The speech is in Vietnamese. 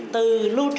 từ lưu trữ